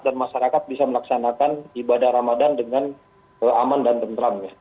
dan masyarakat bisa melaksanakan ibadah ramadan dengan aman dan beneran